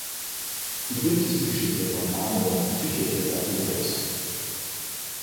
Berühmt ist die Geschichte von Amor und Psyche des Apuleius.